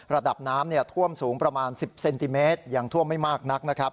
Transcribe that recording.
ระดับน้ำท่วมสูงประมาณ๑๐เซนติเมตรยังท่วมไม่มากนักนะครับ